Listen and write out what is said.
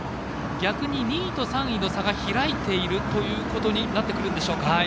逆に２位と３位の差が開いているということになってきますでしょうか。